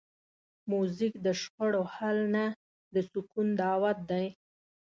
موزیک د شخړو حل نه، د سکون دعوت دی.